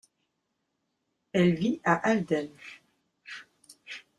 Elle vit à Halden.